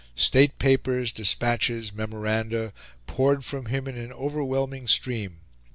State papers, despatches, memoranda, poured from him in an overwhelming stream.